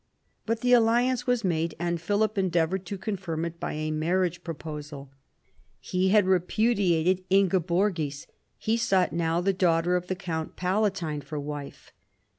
But the alliance was made, and Philip endeavoured to confirm it by a marriage proposal. He had repudiated Ingeborgis : he sought now the daughter of the Count Palatine for wife.